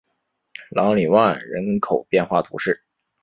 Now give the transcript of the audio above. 朗里万人口变化图示